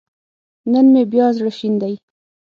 نن مې بيا زړه شين دی